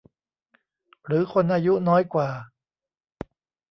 หรือคนอายุน้อยกว่า